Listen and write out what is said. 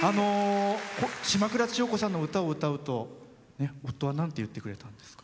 島倉千代子さんの歌を歌うと夫はなんて言ってくれたんですか？